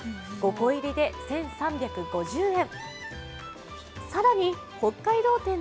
５個入りで１３５０円。